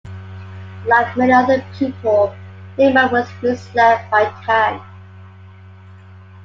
Like many other people, Lehman was misled by Tann.